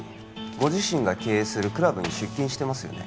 ご自身が経営するクラブに出勤してますよね？